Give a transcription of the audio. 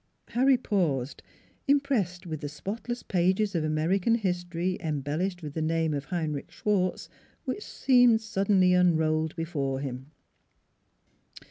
" Harry paused, impressed with the spotless pages of American history embellished with the name of Heinrich Schwartz, which seemed sud denly unrolled before him.